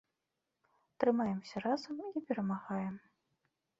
Трымаемся разам і перамагаем!